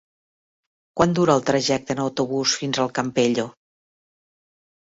Quant dura el trajecte en autobús fins al Campello?